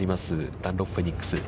ダンロップフェニックス。